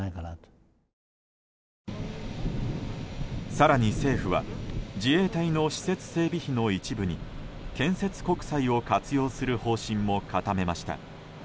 更に、政府は自衛隊の施設整備費の一部に建設国債を活用する方針も固めました。